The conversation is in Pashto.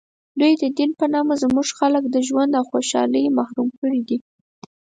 دوی د دین په نامه زموږ خلک له ژوند و خوشحالۍ محروم کړي دي.